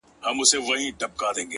هغه مه ښوروه ژوند راڅخـه اخلي!!